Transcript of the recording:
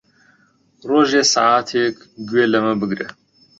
ڕۆژێ سەعاتێک گوێ لەمە بگرە.